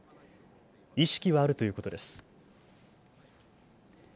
意識はあるということです。